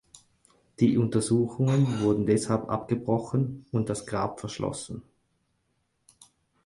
Die Untersuchungen wurden deshalb abgebrochen und das Grab verschlossen.